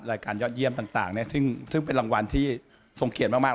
ยอดเยี่ยมต่างซึ่งเป็นรางวัลที่ทรงเกียรติมาก